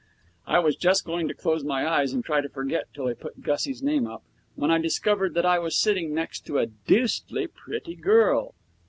I was just going to close my eyes and try to forget till they put Gussie's name up when I discovered that I was sitting next to a deucedly pretty girl.